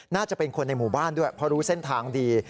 น่าจะเป็นคนในหมู่บ้านด้วยเพราะรู้เส้นทางดี